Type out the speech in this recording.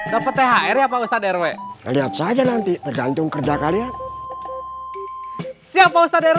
dapat thr apa ustadz rw lihat saja nanti tergantung kerja kalian siapa ustadz rw